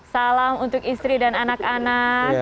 salam untuk istri dan anak anak